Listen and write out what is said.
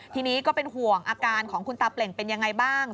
ทีนี้ก็เป็นห่วงอาการของคุณตาเปล่งเป็นยังไงบ้าง